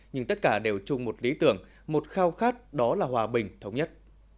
nhưng tất cả đều chung một lý tưởng một khao khát đó là hòa bình thống nhất